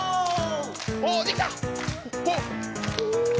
おおできた！